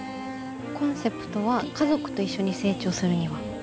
コンセプトは家族と一緒に成長する庭。